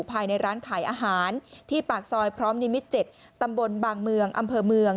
ภายในร้านขายอาหารที่ปากซอยพร้อมนิมิตร๗ตำบลบางเมืองอำเภอเมือง